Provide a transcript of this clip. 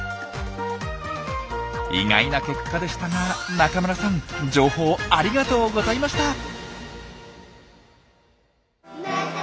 意外な結果でしたが中村さん情報ありがとうございました！